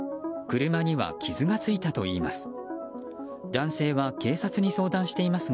車には傷がついたといいます。